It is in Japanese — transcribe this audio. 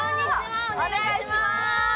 お願いします。